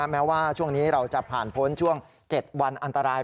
แม้ว่าช่วงนี้เราจะผ่านพ้นช่วง๗วันอันตราย